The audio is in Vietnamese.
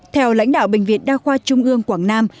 theo lãnh đạo bệnh viện đa khoa trung ương quảng nam